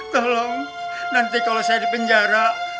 tolong nanti kalau saya dipenjara